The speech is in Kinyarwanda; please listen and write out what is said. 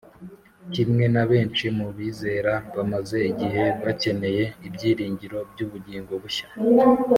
kimwe na benshi mu bizera bamaze igihe bakeneye ibyiringiro by'ubugingo bushya